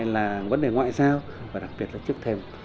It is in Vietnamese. là vấn đề ngoại giao và đặc biệt là trước thêm